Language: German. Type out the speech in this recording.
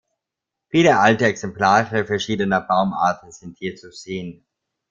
Viele alte Exemplare verschiedener Baumarten sind hier zu sehen.